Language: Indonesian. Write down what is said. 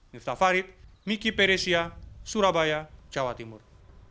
miftah farid miki peresia surabaya jawa timur